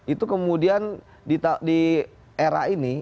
itu kemudian di era ini